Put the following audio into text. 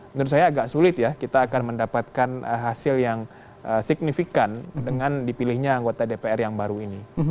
menurut saya agak sulit ya kita akan mendapatkan hasil yang signifikan dengan dipilihnya anggota dpr yang baru ini